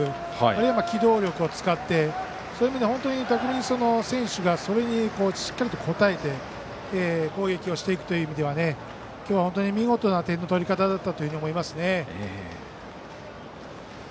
あるいは機動力を使ってそういう意味で本当に選手がそれにしっかりと応えて攻撃をしていくという意味では今日は本当に見事な点の取り方だったと思いますね。